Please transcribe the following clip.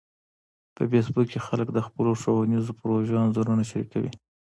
په فېسبوک کې خلک د خپلو ښوونیزو پروژو انځورونه شریکوي